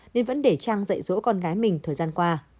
nên vẫn để trang dậy rỗ con gái mình thời gian qua